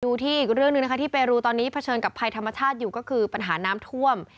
ที่อีกเรื่องหนึ่งนะคะที่เปรูตอนนี้เผชิญกับภัยธรรมชาติอยู่ก็คือปัญหาน้ำท่วม